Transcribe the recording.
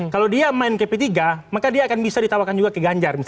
kalau dia main ke p tiga maka dia akan bisa ditawarkan juga ke ganjar